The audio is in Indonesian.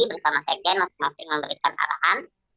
bersama sekjen masing masing memberikan arahan